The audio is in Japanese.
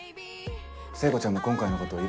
聖子ちゃんも今回のこといろいろ。